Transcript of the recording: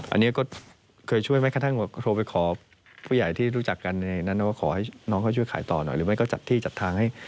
อันนี้ก็เคยช่วยไหมฮะท่าน